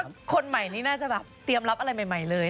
คนใหม่นี่น่าจะแบบเตรียมรับอะไรใหม่เลย